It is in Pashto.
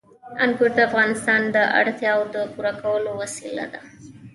انګور د افغانانو د اړتیاوو د پوره کولو وسیله ده.